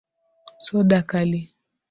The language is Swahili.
Soda kali.